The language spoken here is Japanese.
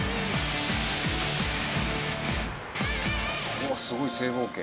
うわっすごい正方形。